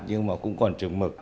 nhưng mà cũng còn trừng mực